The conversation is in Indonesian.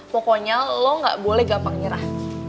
pokoknya lo gak boleh gampang nyerah